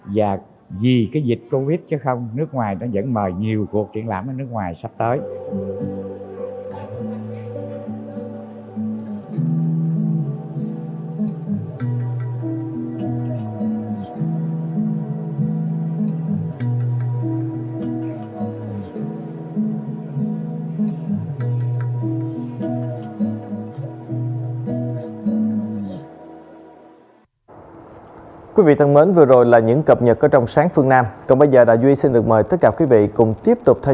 và vì cái dịch covid chứ không nước ngoài nó vẫn mời nhiều cuộc triển lãm ở nước ngoài sắp tới